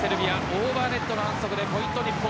オーバーネットの反則でポイント、日本。